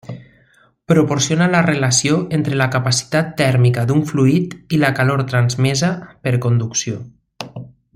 Proporciona la relació entre la capacitat tèrmica d'un fluid i la calor transmesa per conducció.